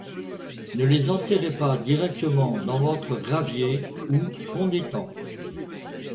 Ne les enterrez pas directement dans votre gravier ou fond d'étang.